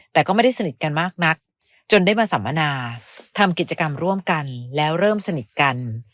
แต่ก็ไม่ได้สนิทกันมากนักจนได้มาสัมมนาทำกิจกรรมร่วมกันแล้วเริ่มสนิทกัน